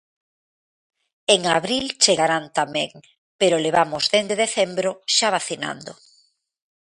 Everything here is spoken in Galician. En abril chegarán tamén, pero levamos dende decembro xa vacinando.